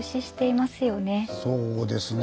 そうですね。